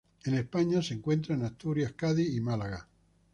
En España se encuentra en Asturias, Cádiz y Málaga.